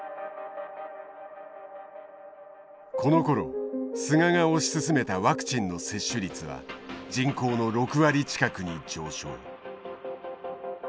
このころ菅が推し進めたワクチンの接種率は人口の６割近くに上昇。